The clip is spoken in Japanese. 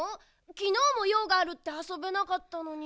きのうもようがあるってあそべなかったのに。